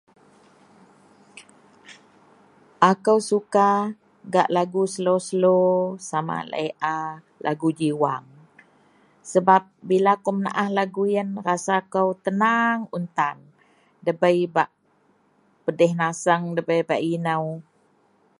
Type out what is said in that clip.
akou suka gak lagu slow-slow, sama laie a, lagu jiwang, sebab bila kou menaah lagu ien ien rasa kou tenang un tan, dabei bak pedih nasang dabei bak inou.